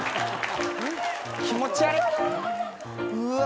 気持ち悪っ。